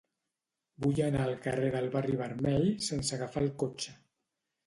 Vull anar al carrer del Barri Vermell sense agafar el cotxe.